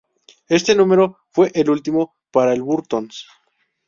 Este número fue el último para el "Burton´s".